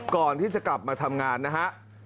ก่อนที่จะกลับมาทำงานนะฮะ